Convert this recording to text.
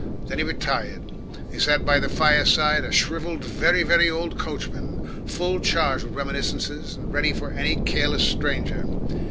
Then he retired. He sat by the fireside, a shrivelled, very, very old coachman, full charged with reminiscences, and ready for any careless stranger.